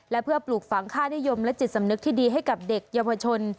และเพื่อปลูกฝังค่านิยมและจิตสำนึกที่ดีให้กับเด็กเยาวชน